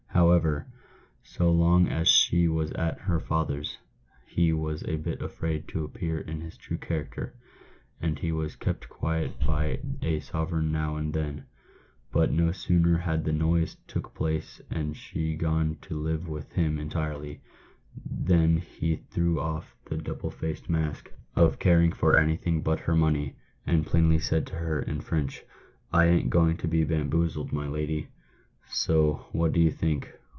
However, so long as she was at her father's he was a bit afraid to appear in his true character, and he was kept quiet by a sovereign now and then ; but no sooner had the noise took place and she gone to live with him entirely, than he threw off the double faced mask of caring for anything but her money, and plainly said to her, in French, ' I ain't going to be bamboozled, my lady !' So what do you think